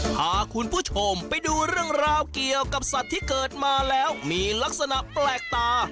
พาคุณผู้ชมไปดูเรื่องราวเกี่ยวกับสัตว์ที่เกิดมาแล้วมีลักษณะแปลกตา